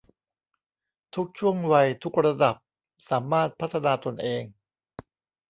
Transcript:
ทุกช่วงวัยทุกระดับสามารถพัฒนาตนเอง